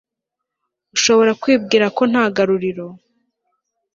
Ushobora kwibwira ko nta garuriro